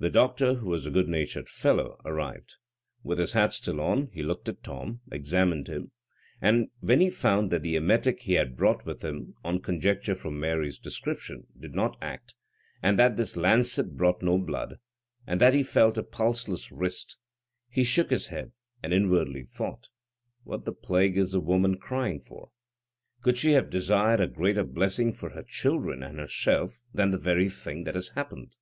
The doctor, who was a good natured fellow, arrived. With his hat still on, he looked at Tom, examined him, and when he found that the emetic he had brought with him, on conjecture from Mary's description, did not act, and that his lancet brought no blood, and that he felt a pulseless wrist, he shook his head, and inwardly thought: "What the plague is the woman crying for? Could she have desired a greater blessing for her children and herself than the very thing that has happened?"